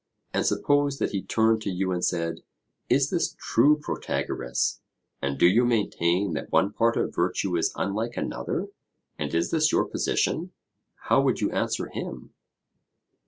And suppose that he turned to you and said, 'Is this true, Protagoras? and do you maintain that one part of virtue is unlike another, and is this your position?' how would you answer him?